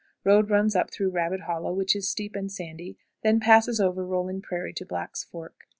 Road runs up through Rabbit Hollow, which is steep and sandy; it then passes over rolling prairie to Black's Fork.